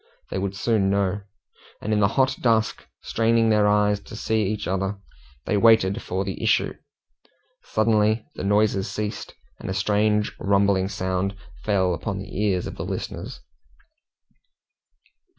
They would soon know; and in the hot dusk, straining their eyes to see each other, they waited for the issue Suddenly the noises ceased, and a strange rumbling sound fell upon the ears of the listeners.